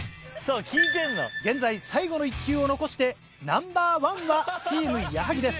現在最後の１球を残してナンバー１はチーム矢作です。